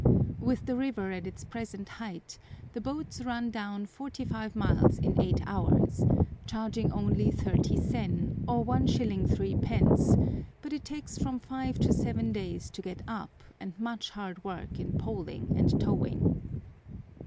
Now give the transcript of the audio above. With the river at its present height the boats run down forty five miles in eight hours, charging only 30 sen, or 1s. 3d., but it takes from five to seven days to get up, and much hard work in poling and towing.